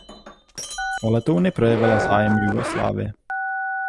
O letouny projevila zájem Jugoslávie.